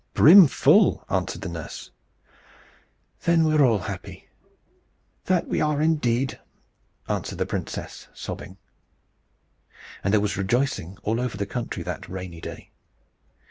"Brimful," answered the nurse. "Then we're all happy." "That we are indeed!" answered the princess, sobbing. And there was rejoicing all over the country that rainy day.